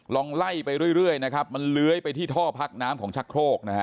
ลองไล่ไปเรื่อยนะครับมันเลื้อยไปที่ท่อพักน้ำของชักโครกนะฮะ